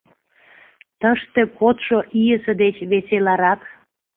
Тыште кодшо ийысе деч веселарак.